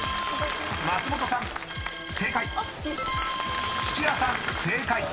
［松本さん正解！］